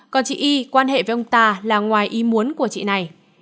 còn chị y quan hệ với ông ta là ngoài ý muốn của chị này